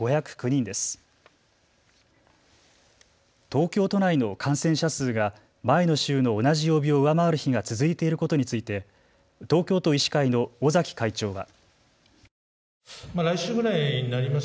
東京都内の感染者数が前の週の同じ曜日を上回る日が続いていることについて東京都医師会の尾崎会長は。